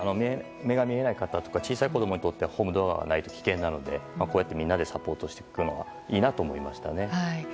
目が見えない方とか小さい子供にとってはホームドアがないと危険なのでみんなでサポートしていくのはいいなと思いましたね。